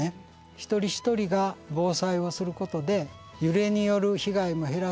一人一人が防災をすることで揺れによる被害も減らす。